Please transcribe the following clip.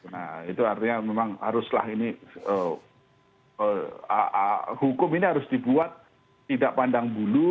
nah itu artinya memang haruslah ini hukum ini harus dibuat tidak pandang bulu